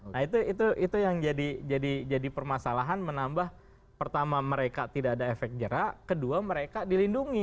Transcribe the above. nah itu itu itu yang jadi jadi jadi permasalahan menambah pertama mereka tidak ada efek jerak kedua mereka dilindungi